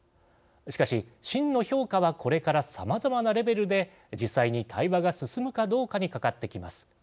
しかし、真の評価はこれから、さまざまなレベルで実際に対話が進むかどうかにかかってきます。